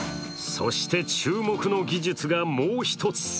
そして、注目の技術がもう一つ。